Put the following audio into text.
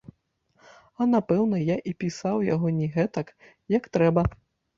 А напэўна я і пісаў яго не гэтак, як трэба.